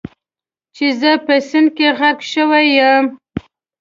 چې زه په سیند کې غرق شوی یم.